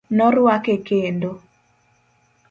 Noruake kendo.